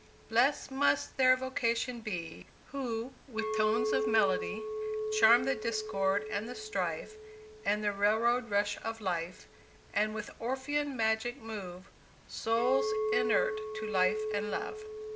Blest must their vocation be Who, with tones of melody, Charm the discord and the strife And the railroad rush of life, And with Orphean magic move Souls inert to life and love.